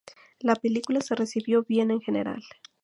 La película se recibió bien en general.